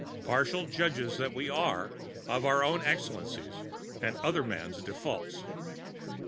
Partial judges that we are of our own excellencies, and other men's defaults!